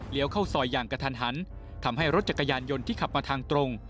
เข้าซอยอย่างกระทันหันทำให้รถจักรยานยนต์ที่ขับมาทางตรง